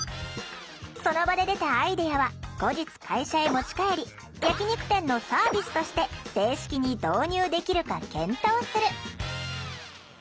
その場で出たアイデアは後日会社へ持ち帰り焼き肉店のサービスとして正式に導入できるか検討する。